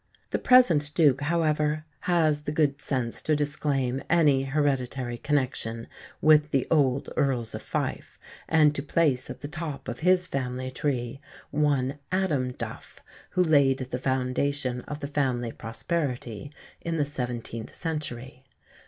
The present Duke, however, has the good sense to disclaim any hereditary connection with the old Earls of Fife, and to place at the top of his family tree one Adam Duff, who laid the foundation of the family prosperity in the seventeenth century.